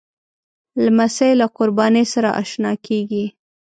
لمسی له قربانۍ سره اشنا کېږي.